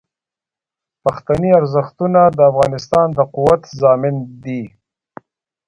پښتني ارزښتونه د افغانستان د قوت ضامن دي.